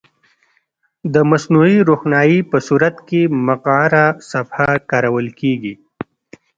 د مصنوعي روښنایي په صورت کې مقعره صفحه کارول کیږي.